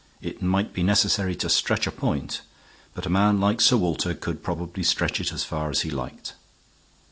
It might be necessary to stretch a point, but a man like Sir Walter could probably stretch it as far as he liked.